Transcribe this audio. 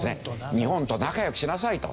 日本と仲良くしなさいと。